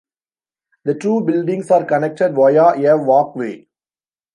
The two buildings are connected via a walkway.